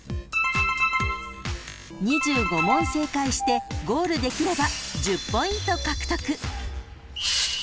［２５問正解してゴールできれば１０ポイント獲得］